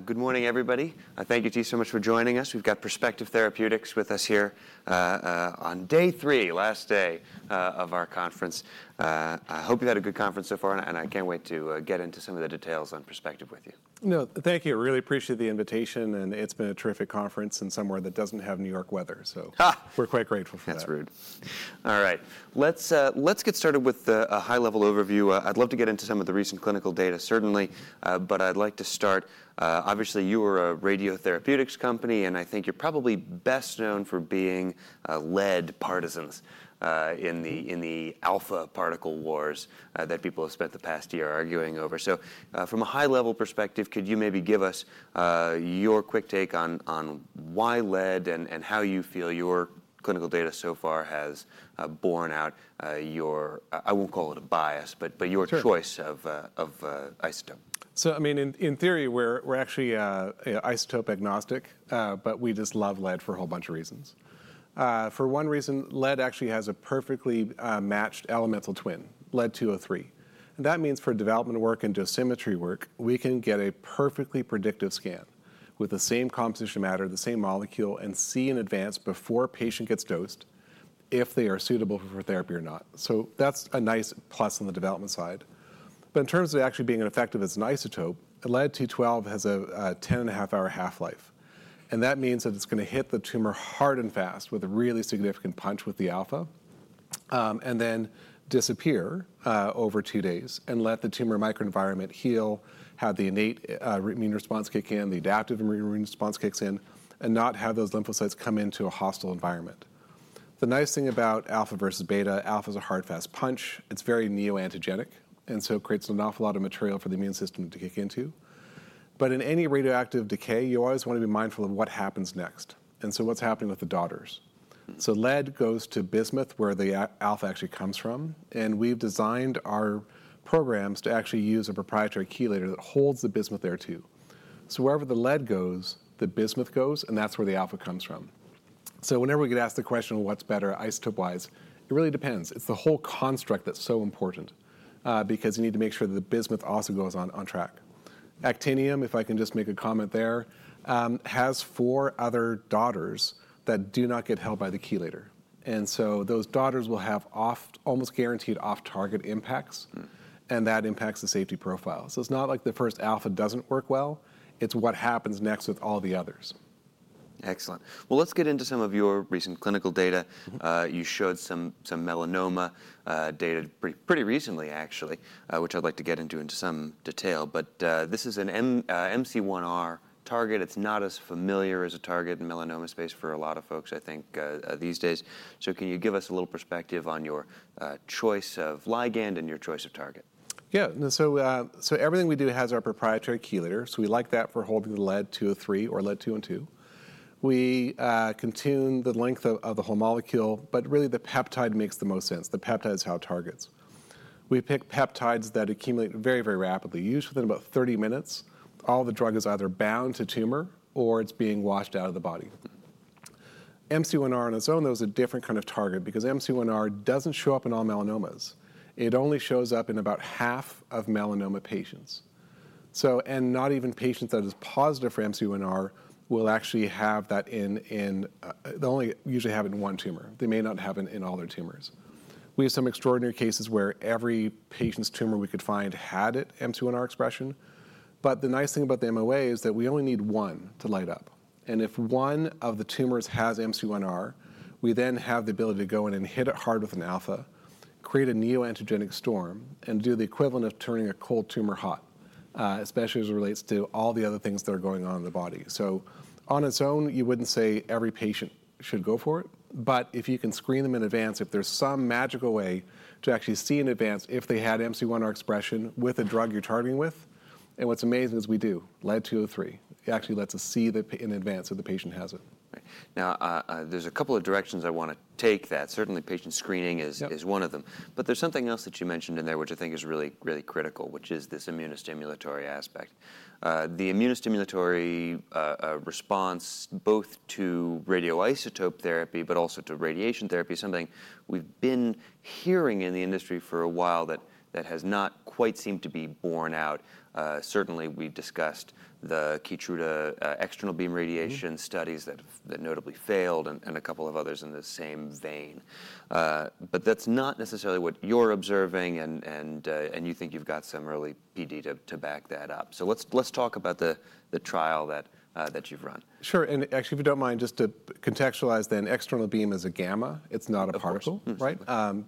Good morning, everybody. Thank you so much for joining us. We've got Perspective Therapeutics with us here on day three, last day of our conference. I hope you had a good conference so far, and I can't wait to get into some of the details on Perspective with you. No, thank you. I really appreciate the invitation, and it's been a terrific conference in somewhere that doesn't have New York weather, so we're quite grateful for that. That's rude. All right, let's get started with a high-level overview. I'd love to get into some of the recent clinical data, certainly, but I'd like to start. Obviously, you are a radiotherapeutics company, and I think you're probably best known for being lead partisans in the alpha particle wars that people have spent the past year arguing over. So from a high-level perspective, could you maybe give us your quick take on why lead and how you feel your clinical data so far has borne out your, I won't call it a bias, but your choice of isotope? I mean, in theory, we're actually isotope agnostic, but we just love lead for a whole bunch of reasons. For one reason, lead actually has a perfectly matched elemental twin, Lead-203, and that means for development work and dosimetry work, we can get a perfectly predictive scan with the same composition of matter, the same molecule, and see in advance before a patient gets dosed if they are suitable for therapy or not. That's a nice plus on the development side. But in terms of actually being effective as an isotope, Lead-212 has a 10 and a half hour half-life. That means that it's going to hit the tumor hard and fast with a really significant punch with the alpha, and then disappear over two days and let the tumor microenvironment heal, have the innate immune response kick in, the adaptive immune response kicks in, and not have those lymphocytes come into a hostile environment. The nice thing about alpha versus beta, alpha is a hard fast punch. It's very neoantigenic, and so it creates an awful lot of material for the immune system to kick into. In any radioactive decay, you always want to be mindful of what happens next. What's happening with the daughters? Lead goes to bismuth, where the alpha actually comes from. We've designed our programs to actually use a proprietary chelator that holds the bismuth there too. So wherever the lead goes, the bismuth goes, and that's where the alpha comes from. So whenever we get asked the question, what's better isotope-wise, it really depends. It's the whole construct that's so important because you need to make sure that the bismuth also goes on track. Actinium, if I can just make a comment there, has four other daughters that do not get held by the chelator. And so those daughters will have almost guaranteed off-target impacts, and that impacts the safety profile. So it's not like the first alpha doesn't work well. It's what happens next with all the others. Excellent. Well, let's get into some of your recent clinical data. You showed some melanoma data pretty recently, actually, which I'd like to get into in some detail. But this is an MC1R target. It's not as familiar as a target in the melanoma space for a lot of folks, I think, these days. So can you give us a little perspective on your choice of ligand and your choice of target? Yeah. So everything we do has our proprietary chelator. So we like that for holding the Lead-203 or Lead-212. We can tune the length of the whole molecule, but really the peptide makes the most sense. The peptide is how it targets. We pick peptides that accumulate very, very rapidly. Usually in about 30 minutes, all the drug is either bound to tumor or it's being washed out of the body. MC1R on its own, though, is a different kind of target because MC1R doesn't show up in all melanomas. It only shows up in about half of melanoma patients. And not even patients that are positive for MC1R will actually have that in, they'll only usually have it in one tumor. They may not have it in all their tumors. We have some extraordinary cases where every patient's tumor we could find had MC1R expression. But the nice thing about the MOA is that we only need one to light up. And if one of the tumors has MC1R, we then have the ability to go in and hit it hard with an alpha, create a neoantigen storm, and do the equivalent of turning a cold tumor hot, especially as it relates to all the other things that are going on in the body. So on its own, you wouldn't say every patient should go for it. But if you can screen them in advance, if there's some magical way to actually see in advance if they had MC1R expression with a drug you're targeting with, and what's amazing is we do Lead-203. It actually lets us see in advance if the patient has it. Now, there's a couple of directions I want to take that. Certainly, patient screening is one of them. But there's something else that you mentioned in there which I think is really, really critical, which is this immunostimulatory aspect. The immunostimulatory response, both to radioisotope therapy, but also to radiation therapy, is something we've been hearing in the industry for a while that has not quite seemed to be borne out. Certainly, we've discussed the Keytruda external beam radiation studies that notably failed and a couple of others in the same vein. But that's not necessarily what you're observing, and you think you've got some early PD to back that up. So let's talk about the trial that you've run. Sure, and actually, if you don't mind, just to contextualize then, external beam is a gamma. It's not a particle, right?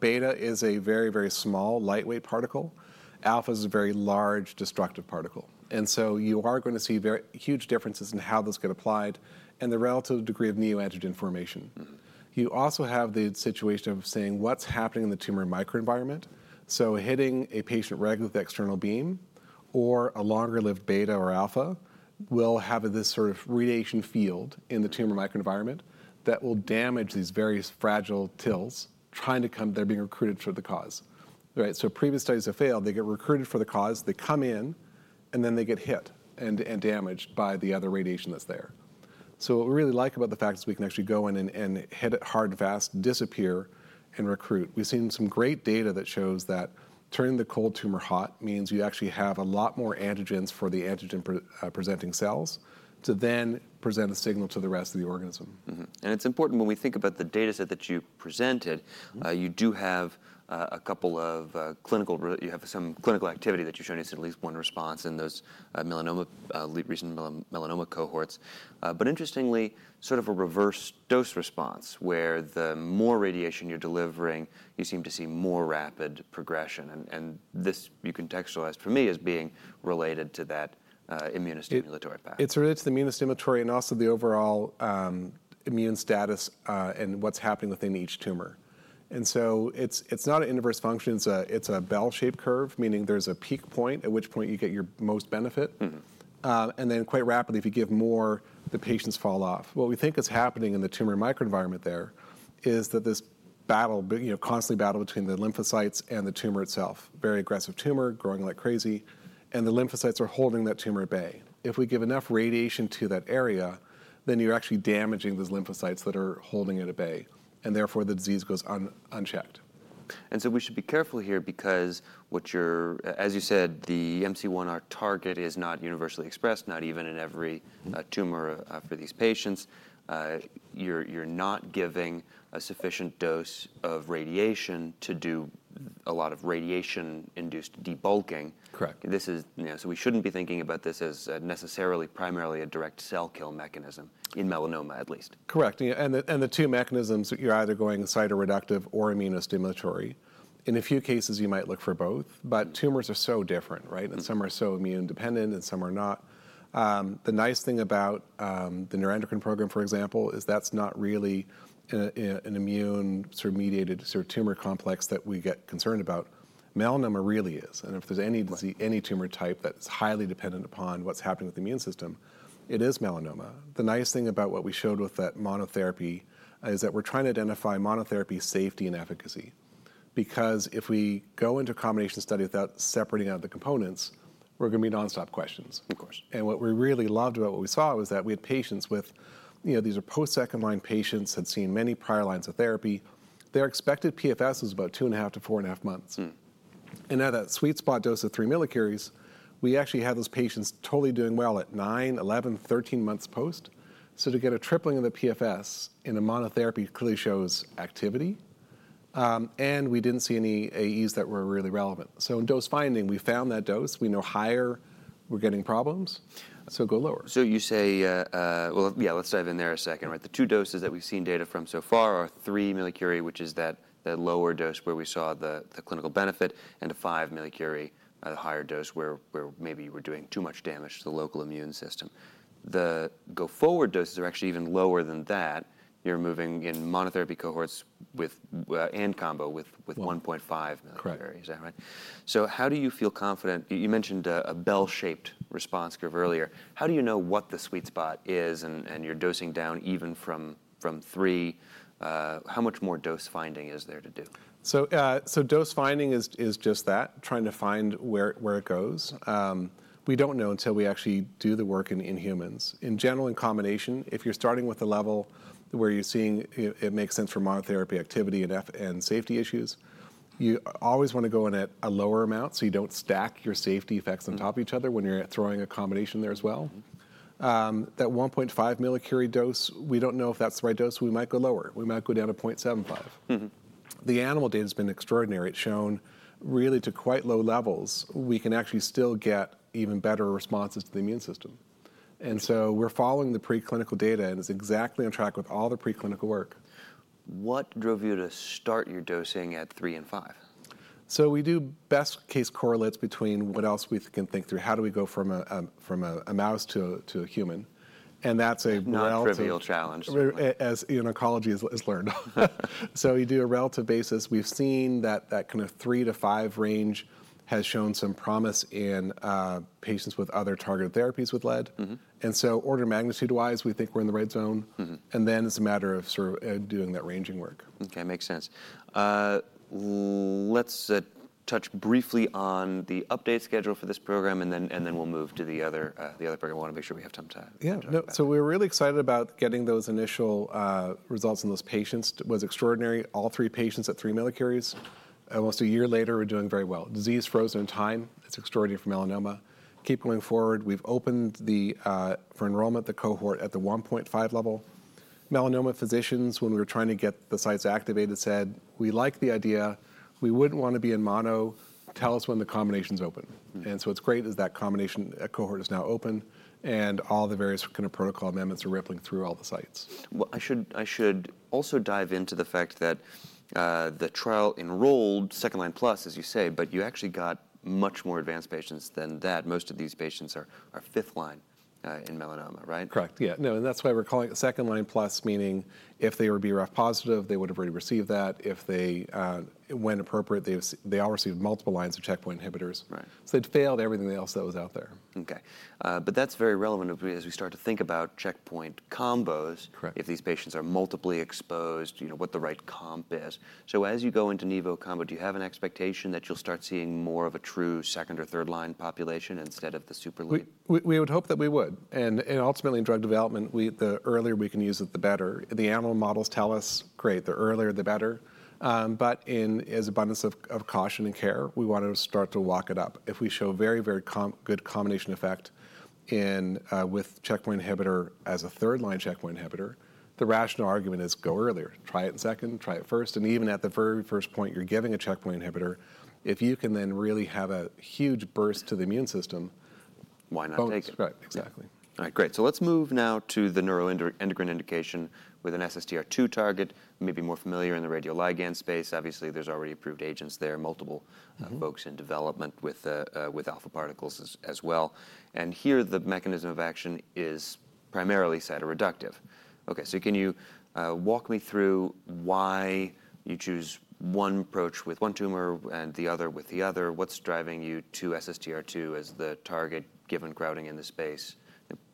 Beta is a very, very small, lightweight particle. Alpha is a very large destructive particle. And so you are going to see huge differences in how this gets applied and the relative degree of neoantigen formation. You also have the situation of saying what's happening in the tumor microenvironment. Hitting a patient regularly with external beam or a longer-lived beta or alpha will have this sort of radiation field in the tumor microenvironment that will damage these various fragile TILs trying to come. They're being recruited for the cause. Previous studies have failed. They get recruited for the cause. They come in, and then they get hit and damaged by the other radiation that's there. So what we really like about the fact is we can actually go in and hit it hard, fast, disappear, and recruit. We've seen some great data that shows that turning the cold tumor hot means you actually have a lot more antigens for the antigen-presenting cells to then present a signal to the rest of the organism. It's important when we think about the data set that you presented, you have some clinical activity that you've shown you said at least one response in those recent melanoma cohorts, but interestingly, sort of a reverse dose response where the more radiation you're delivering, you seem to see more rapid progression, and this you contextualized for me as being related to that immunostimulatory path. It's related to the immunostimulatory and also the overall immune status and what's happening within each tumor. And so it's not an inverse function. It's a bell-shaped curve, meaning there's a peak point at which point you get your most benefit. And then quite rapidly, if you give more, the patients fall off. What we think is happening in the tumor microenvironment there is that this battle between the lymphocytes and the tumor itself, very aggressive tumor growing like crazy, and the lymphocytes are holding that tumor at bay. If we give enough radiation to that area, then you're actually damaging those lymphocytes that are holding it at bay. And therefore, the disease goes unchecked. And so we should be careful here because what you're, as you said, the MC1R target is not universally expressed, not even in every tumor for these patients. You're not giving a sufficient dose of radiation to do a lot of radiation-induced debulking. Correct. So we shouldn't be thinking about this as necessarily primarily a direct cell kill mechanism in melanoma, at least. Correct. And the two mechanisms, you're either going cytoreductive or immunostimulatory. In a few cases, you might look for both. But tumors are so different, right? And some are so immune-dependent, and some are not. The nice thing about the neuroendocrine program, for example, is that's not really an immune-mediated tumor complex that we get concerned about. Melanoma really is. And if there's any tumor type that's highly dependent upon what's happening with the immune system, it is melanoma. The nice thing about what we showed with that monotherapy is that we're trying to identify monotherapy safety and efficacy. Because if we go into a combination study without separating out the components, we're going to be nonstop questions. Of course. What we really loved about what we saw was that we had patients with. These are post-second-line patients that had seen many prior lines of therapy. Their expected PFS was about 2.5-4.5 months. Now that sweet spot dose of 3 mCi, we actually had those patients totally doing well at nine, 11, 13 months post. To get a tripling of the PFS in a monotherapy clearly shows activity. We didn't see any AEs that were really relevant. In dose finding, we found that dose. We know higher, we're getting problems. Go lower. So you say, well, yeah, let's dive in there a second. The two doses that we've seen data from so far are 3 mCi, which is that lower dose where we saw the clinical benefit, and 5 mCi, the higher dose where maybe you were doing too much damage to the local immune system. The go forward doses are actually even lower than that. You're moving in monotherapy cohorts and combo with 1.5 mCi. Correct. Is that right? So how do you feel confident? You mentioned a bell-shaped response curve earlier. How do you know what the sweet spot is and you're dosing down even from three? How much more dose finding is there to do? Dose finding is just that, trying to find where it goes. We don't know until we actually do the work in humans. In general, in combination, if you're starting with a level where you're seeing it makes sense for monotherapy activity and safety issues, you always want to go in at a lower amount so you don't stack your safety effects on top of each other when you're throwing a combination there as well. That 1.5 mCi dose, we don't know if that's the right dose. We might go lower. We might go down to 0.75. The animal data has been extraordinary. It's shown really to quite low levels. We can actually still get even better responses to the immune system. We're following the preclinical data, and it's exactly on track with all the preclinical work. What drove you to start your dosing at three and five? So we do best case correlates between what else we can think through. How do we go from a mouse to a human? And that's a relative. Not a trivial challenge. As in oncology, it's learned so we do a relative basis. We've seen that kind of three-to-five range has shown some promise in patients with other targeted therapies with lead, and so order of magnitude-wise, we think we're in the red zone, and then it's a matter of doing that ranging work. Okay. Makes sense. Let's touch briefly on the update schedule for this program, and then we'll move to the other program. I want to make sure we have some time. Yeah. So we were really excited about getting those initial results in those patients. It was extraordinary. All three patients at 3 mCi, almost a year later, were doing very well. Disease frozen in time. It's extraordinary for melanoma. Keep going forward. We've opened for enrollment the cohort at the 1.5 level. Melanoma physicians, when we were trying to get the sites activated, said, "We like the idea. We wouldn't want to be in mono. Tell us when the combination's open." And so what's great is that combination cohort is now open, and all the various kind of protocol amendments are rippling through all the sites. I should also dive into the fact that the trial enrolled second-line plus, as you say, but you actually got much more advanced patients than that. Most of these patients are fifth-line in melanoma, right? Correct. Yeah, and that's why we're calling it second-line plus, meaning if they were BRAF positive, they would have already received that. If they were appropriate, they all received multiple lines of checkpoint inhibitors, so they'd failed everything else that was out there. Okay. But that's very relevant as we start to think about checkpoint combos if these patients are multiply exposed, what the right combo is. So as you go into Nivo combo, do you have an expectation that you'll start seeing more of a true second or third-line population instead of the super league? We would hope that we would. And ultimately, in drug development, the earlier we can use it, the better. The animal models tell us, great, the earlier, the better. But out of an abundance of caution and care, we want to start to lock it up. If we show very, very good combination effect with checkpoint inhibitor as a third-line checkpoint inhibitor, the rational argument is go earlier. Try it in second, try it first. And even at the very first point, you're giving a checkpoint inhibitor. If you can then really have a huge boost to the immune system. Why not take it? Right. Exactly. All right. Great. So let's move now to the neuroendocrine indication with an SSTR2 target, maybe more familiar in the radioligand space. Obviously, there's already approved agents there, multiple folks in development with alpha particles as well. And here, the mechanism of action is primarily cytoreductive. Okay. So can you walk me through why you choose one approach with one tumor and the other with the other? What's driving you to SSTR2 as the target given crowding in the space?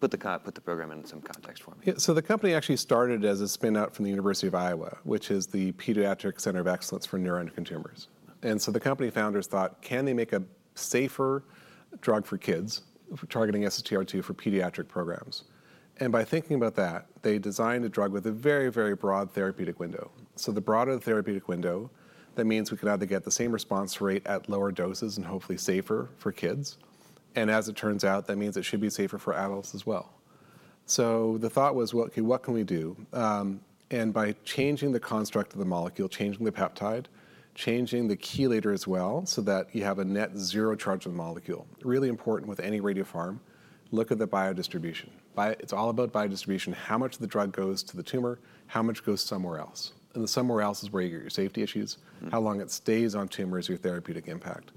Put the program in some context for me. Yeah. So the company actually started as a spin-out from the University of Iowa, which is the Pediatric Center of Excellence for Neuroendocrine Tumors, and so the company founders thought, can they make a safer drug for kids targeting SSTR2 for pediatric programs? And by thinking about that, they designed a drug with a very, very broad therapeutic window, so the broader the therapeutic window, that means we can either get the same response rate at lower doses and hopefully safer for kids, and as it turns out, that means it should be safer for adults as well, so the thought was, okay, what can we do? And by changing the construct of the molecule, changing the peptide, changing the chelator as well so that you have a net zero charge of the molecule, really important with any radiopharm, look at the biodistribution. It's all about biodistribution, how much of the drug goes to the tumor, how much goes somewhere else. The somewhere else is where you get your safety issues, how long it stays on tumor is your therapeutic impact.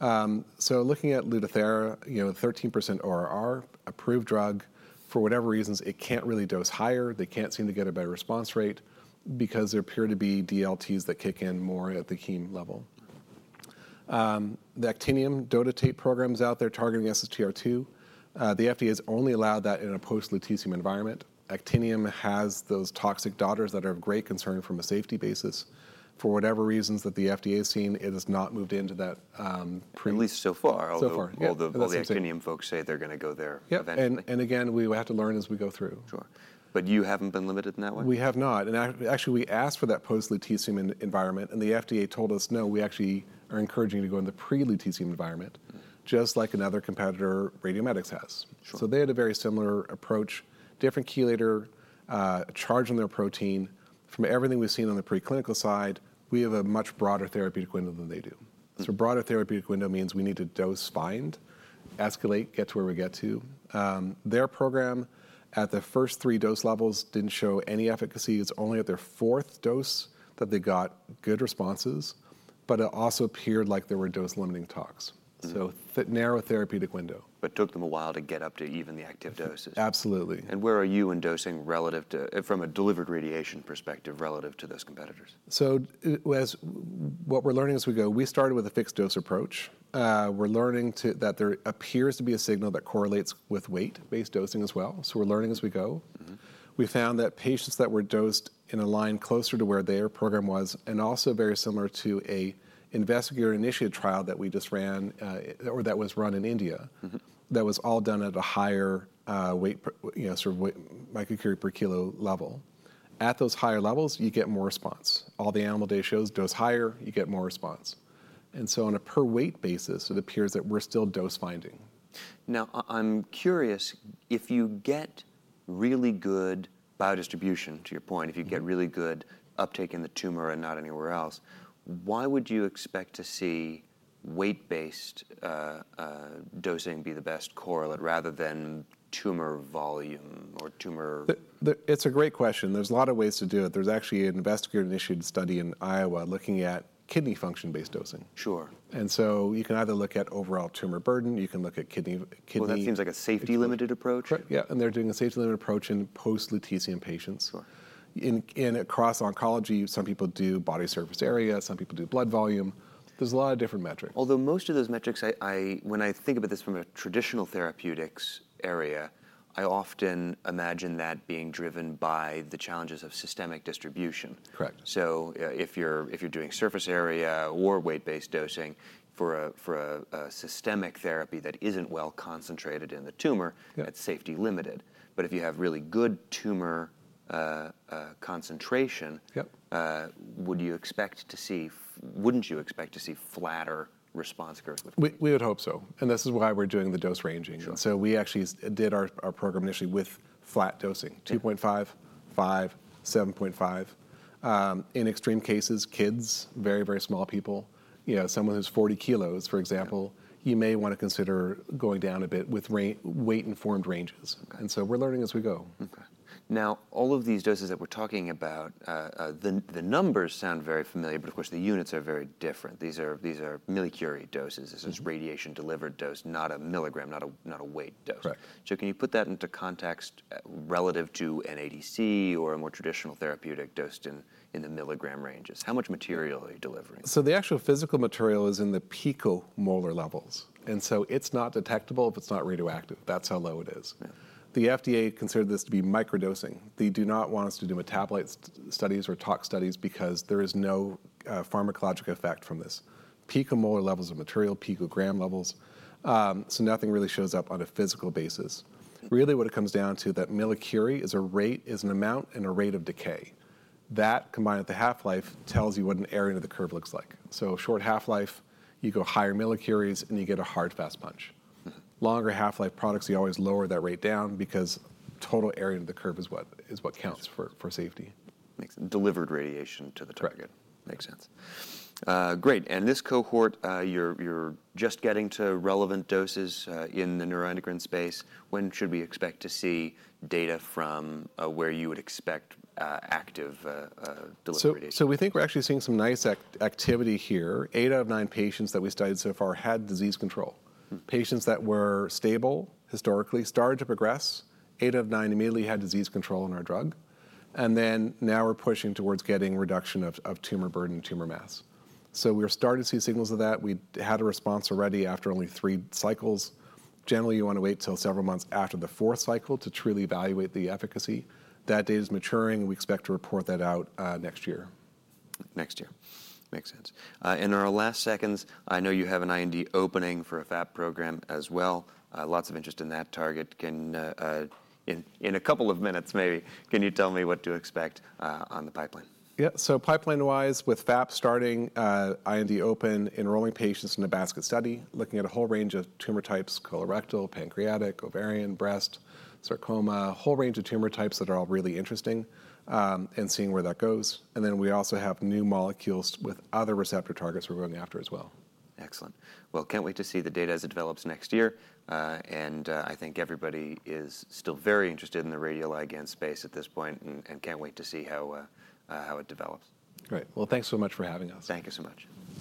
Looking at Lutathera, 13% ORR, approved drug. For whatever reasons, it can't really dose higher. They can't seem to get a better response rate because there appear to be DLTs that kick in more at the heme level. The actinium dotatate program's out there targeting SSTR2. The FDA has only allowed that in a post-Lutetium environment. Actinium has those toxic daughters that are of great concern from a safety basis. For whatever reasons that the FDA has seen, it has not moved into that. At least so far. So far. While the actinium folks say they're going to go there. Yeah. And again, we have to learn as we go through. Sure. But you haven't been limited in that way? We have not. And actually, we asked for that post-Lutetium environment. And the FDA told us, no, we actually are encouraging you to go in the pre-Lutetium environment, just like another competitor, RadioMedix, has. So they had a very similar approach, different chelator, charge on their protein. From everything we've seen on the preclinical side, we have a much broader therapeutic window than they do. So a broader therapeutic window means we need to dose find, escalate, get to where we get to. Their program at the first three dose levels didn't show any efficacy. It's only at their fourth dose that they got good responses, but it also appeared like there were dose-limiting toxicities. So narrow therapeutic window. But it took them a while to get up to even the active doses. Absolutely. Where are you in dosing from a delivered radiation perspective relative to those competitors? So what we're learning as we go, we started with a fixed dose approach. We're learning that there appears to be a signal that correlates with weight-based dosing as well. So we're learning as we go. We found that patients that were dosed in a line closer to where their program was and also very similar to an investigator-initiated trial that we just ran or that was run in India that was all done at a higher weight microcurie per kilo level. At those higher levels, you get more response. All the animal data shows dose higher, you get more response. And so on a per-weight basis, it appears that we're still dose finding. Now, I'm curious, if you get really good biodistribution, to your point, if you get really good uptake in the tumor and not anywhere else, why would you expect to see weight-based dosing be the best correlate rather than tumor volume or tumor? It's a great question. There's a lot of ways to do it. There's actually an investigator-initiated study in Iowa looking at kidney function-based dosing. Sure. And so you can either look at overall tumor burden. You can look at kidney. That seems like a safety-limited approach. Yeah. And they're doing a safety-limited approach in post- Lutetium patients. Across oncology, some people do body surface area. Some people do blood volume. There's a lot of different metrics. Although most of those metrics, when I think about this from a traditional therapeutics area, I often imagine that being driven by the challenges of systemic distribution. Correct. So if you're doing surface area or weight-based dosing for a systemic therapy that isn't well concentrated in the tumor, that's safety-limited. But if you have really good tumor concentration, would you expect to see flatter response curves with? We would hope so. And this is why we're doing the dose ranging. And so we actually did our program initially with flat dosing, 2.5, 5, 7.5. In extreme cases, kids, very, very small people, someone who's 40 kilos, for example, you may want to consider going down a bit with weight-informed ranges. And so we're learning as we go. Now, all of these doses that we're talking about, the numbers sound very familiar, but of course, the units are very different. These are millicurie doses. This is radiation-delivered dose, not a milligram, not a weight dose. Correct. So, can you put that into context relative to an ADC or a more traditional therapeutic dosed in the milligram ranges? How much material are you delivering? The actual physical material is in the picomolar levels. And so it's not detectable if it's not radioactive. That's how low it is. The FDA considered this to be microdosing. They do not want us to do metabolite studies or talk studies because there is no pharmacologic effect from this. Picomolar levels of material, picogram levels. So nothing really shows up on a physical basis. Really, what it comes down to, that millicurie is a rate, is an amount, and a rate of decay. That, combined with the half-life, tells you what an area of the curve looks like. So short half-life, you go higher millicuries and you get a hard fast punch. Longer half-life products, you always lower that rate down because total area of the curve is what counts for safety. Makes delivered radiation to the target. Correct. Makes sense. Great. And this cohort, you're just getting to relevant doses in the neuroendocrine space. When should we expect to see data from where you would expect active delivery data? We think we're actually seeing some nice activity here. Eight out of nine patients that we studied so far had disease control. Patients that were stable historically started to progress. Eight out of nine immediately had disease control in our drug. Now we're pushing towards getting reduction of tumor burden and tumor mass. We're starting to see signals of that. We had a response already after only three cycles. Generally, you want to wait until several months after the fourth cycle to truly evaluate the efficacy. That data is maturing. We expect to report that out next year. Next year. Makes sense. In our last seconds, I know you have an IND opening for a FAP program as well. Lots of interest in that target. In a couple of minutes, maybe, can you tell me what to expect on the pipeline? Yeah. So pipeline-wise, with FAP starting, IND open, enrolling patients in a basket study, looking at a whole range of tumor types, colorectal, pancreatic, ovarian, breast, sarcoma, a whole range of tumor types that are all really interesting and seeing where that goes. And then we also have new molecules with other receptor targets we're going after as well. Excellent. Can't wait to see the data as it develops next year. I think everybody is still very interested in the radioligand space at this point and can't wait to see how it develops. Great. Well, thanks so much for having us. Thank you so much.